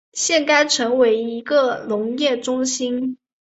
现该城为一个农业中心。